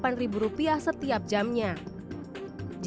jika anda beristirahat lebih dari tiga jam di sini